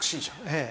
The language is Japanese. ええ。